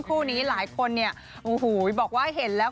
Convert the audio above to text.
คู่นี้หลายคนเนี่ยโอ้โหบอกว่าเห็นแล้ว